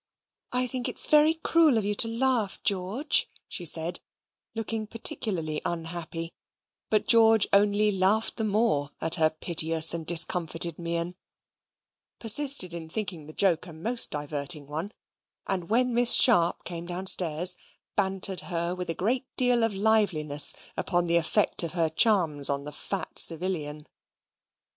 "I think it's very cruel of you to laugh, George," she said, looking particularly unhappy; but George only laughed the more at her piteous and discomfited mien, persisted in thinking the joke a most diverting one, and when Miss Sharp came downstairs, bantered her with a great deal of liveliness upon the effect of her charms on the fat civilian.